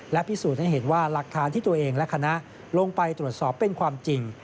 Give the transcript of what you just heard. และพิสูจน์ให้เห็นว่าหลักฐานที่ตัวเองและคณะลงไปตรวจสอบเป็นความจริง